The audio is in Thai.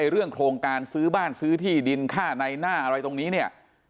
เรื่องโครงการซื้อบ้านซื้อที่ดินค่าในหน้าอะไรตรงนี้เนี่ย